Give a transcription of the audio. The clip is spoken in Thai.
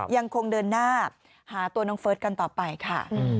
ยังคงเดินหน้าหาตัวน้องเฟิร์สกันต่อไปค่ะ